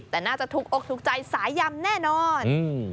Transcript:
แต่น่าจะถูกอกถูกใจสายยำแน่นอน